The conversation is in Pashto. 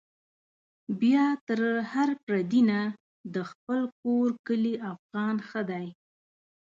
بيا تر هر پردي نه، د خپل کور کلي افغان ښه دی